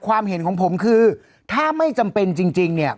ความเห็นของผมคือถ้าไม่จำเป็นจริงเนี่ย